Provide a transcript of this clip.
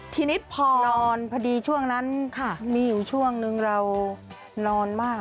ทีนี้พอนอนพอดีช่วงนั้นมีอยู่ช่วงนึงเรานอนมาก